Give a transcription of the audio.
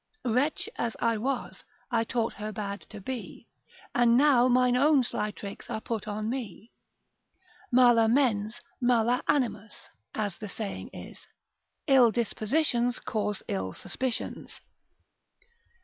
Wretch as I was, I taught her bad to be, And now mine own sly tricks are put upon me. Mala mens, malus animus, as the saying is, ill dispositions cause ill suspicions.